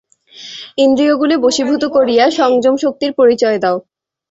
ইন্দ্রিয়গুলি বশীভূত করিয়া সংযমশক্তির পরিচয় দাও।